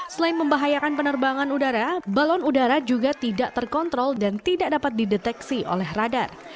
selain membahayakan penerbangan udara balon udara juga tidak terkontrol dan tidak dapat dideteksi oleh radar